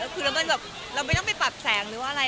คือเราไม่ต้องไปปรับแสงหรือว่าอะไร